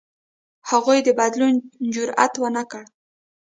هغوی د بدلون جرئت ونه کړ.